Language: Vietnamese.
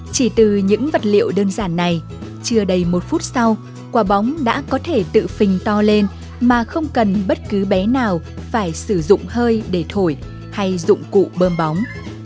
chỉ từ những vật liệu đơn giản này chưa đầy một phút sau quả bóng đã có thể tự phình to lên mà không cần bất cứ bé nào phải sử dụng hơi để thổi hay dụng cụ bơm bóng